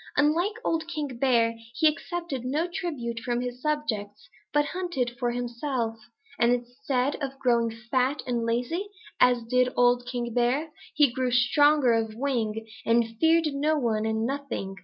Unlike old King Bear, he accepted no tribute from his subjects but hunted for himself, and instead of growing fat and lazy, as did old King Bear, he grew stronger of wing and feared no one and nothing.